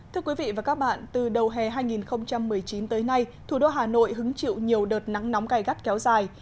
thưa quý vị và các bạn từ đầu hè hai nghìn một mươi chín tới nay thủ đô hà nội hứng chịu nhiều đợt nắng nóng cày gắt kéo dài